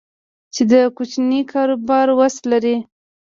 چې د کوچني کاروبار وس لري